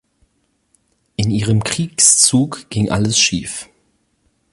In ihrem Kriegszug ging alles schief.